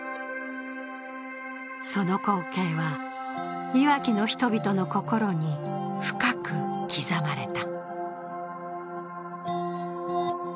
その光景は、いわきの人々の心に深く刻まれた。